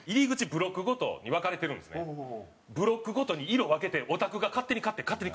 ブロックごとに色分けてオタクが勝手に買って勝手に配ってます。